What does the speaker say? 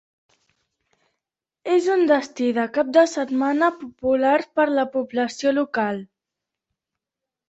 És un destí de cap de setmana popular per a la població local.